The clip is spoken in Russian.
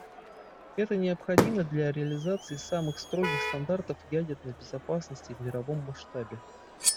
Это необходимо для реализации самых строгих стандартов ядерной безопасности в мировом масштабе.